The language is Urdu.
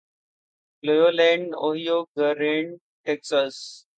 Cleveland Ohio گارینڈ Texas